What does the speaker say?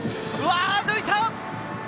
抜いた！